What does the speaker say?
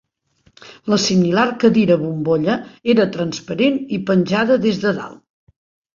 La similar cadira bombolla era transparent i penjada des de dalt.